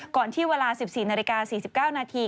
ก่อนที่เวลา๑๔นาฬิกา๔๙นาที